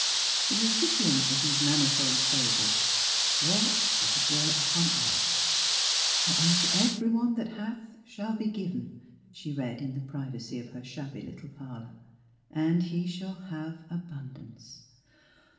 The recipient of these mani fold favors walked, as it were, 49 The Transfigiiratioii of upon air. '' For unto every one that hath shall be given," she read in the privacy of her own shabby little parlor, '^and he shall have abundance."